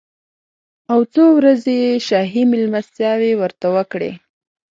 او څو ورځې یې شاهي مېلمستیاوې ورته وکړې.